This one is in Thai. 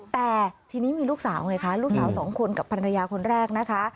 แต่ทีนี้มีลูกสาวไงคะลูกสาวสองคนกับภรรยาคนแรกนะคะ